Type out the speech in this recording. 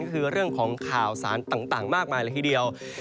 ก็คือเรื่องของข่าวสารต่างมากมายละทีเดียว